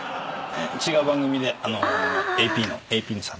違う番組でＡＰのＡＰさん。